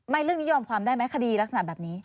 เรื่องนี้ยอมความได้ไหมคดีลักษณะแบบนี้